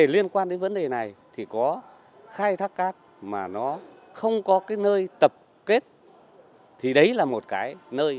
liên quan đến vấn đề này thì có khai thác cát mà nó không có nơi tập kết thì đấy là một cái nơi